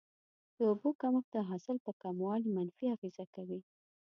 د اوبو کمښت د حاصل په کموالي منفي اغیزه کوي.